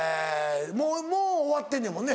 もう終わってんねんもんね。